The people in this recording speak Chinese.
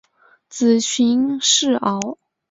子荀逝敖。